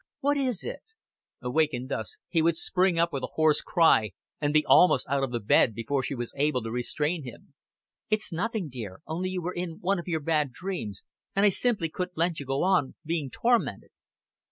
"What is it?" Awakened thus, he would spring up with a hoarse cry, and be almost out of the bed before she was able to restrain him. "It's nothing, dear. Only you were in one of your bad dreams, and I simply couldn't let you go on being tormented."